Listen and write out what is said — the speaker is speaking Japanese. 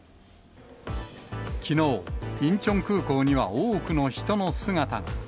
きのう、インチョン空港には多くの人の姿が。